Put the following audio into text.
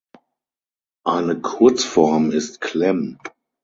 Eine Kurzform ist Clem.